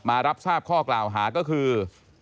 รับทราบข้อกล่าวหาก็คือ